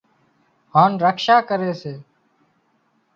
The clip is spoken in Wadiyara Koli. هانَ رکشا ڪري سي